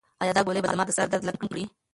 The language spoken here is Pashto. ایا دا ګولۍ به زما د سر درد لږ کم کړي؟